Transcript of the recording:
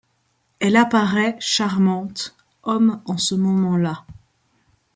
Elle apparaît, charmante ; homme, en ce moment-là